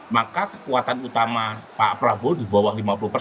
maka kekuatan utama pak prabowo di bawah lima puluh persen